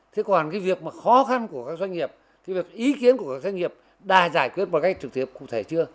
thế còn cái việc mà khó khăn của các doanh nghiệp cái việc ý kiến của các doanh nghiệp đã giải quyết bằng cách trực tiếp cụ thể chưa